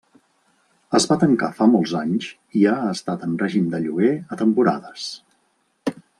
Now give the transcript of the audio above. Es va tancar fa molts anys i ha estat en règim de lloguer a temporades.